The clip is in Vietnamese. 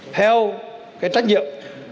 theo cái trách nhiệm